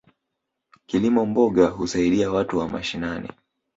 Kilimo mboga husaidia watu wa mashinani.